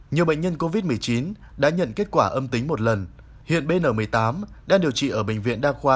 nhiều bệnh nhân covid một mươi chín đã nhận kết quả âm tính một lần hiện bn một mươi tám đang điều trị ở bệnh viện đa khoa